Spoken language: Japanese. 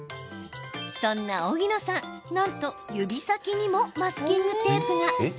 そんな荻野さん、なんと指先にもマスキングテープが。